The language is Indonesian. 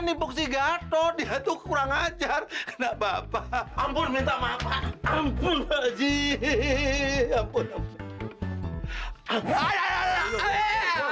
nimpuk si gato dia itu kurang ajar kenapa pak ampun minta maaf ampun haji ampun ampun